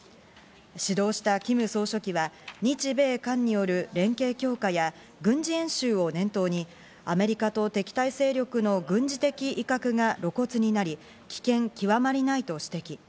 指導したキム総書記は日米韓による連携強化や軍事演習を念頭にアメリカと敵対勢力の軍事的威嚇が露骨になり、危険極まりないと指摘。